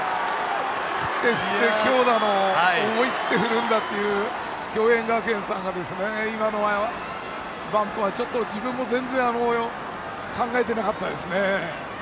振って、振って強打の思い切って振るんだという共栄学園さんが今のバントは自分も全然考えていなかったです。